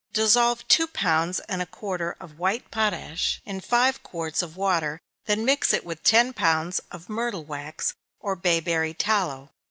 _ Dissolve two pounds and a quarter of white potash in five quarts of water, then mix it with ten pounds of myrtle wax, or bayberry tallow.